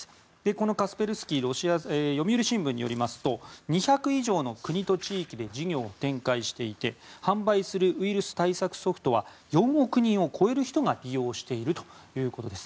このカスペルスキーは読売新聞によりますと２００以上の国と地域で事業を展開していて販売するウイルス対策ソフトは４億人を超える人が利用しているということです。